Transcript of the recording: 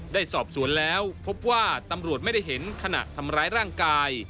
ได้สอบสวนแล้วพบว่าตำรวจไม่ได้เห็นขณะทำร้ายร่างกาย